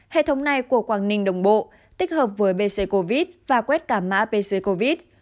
hệ thống này của quảng ninh đồng bộ tích hợp với bc covid và quét cả mã pc covid